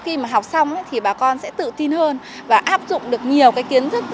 khi mà học xong thì bà con sẽ tự tin hơn và áp dụng được nhiều cái kiến thức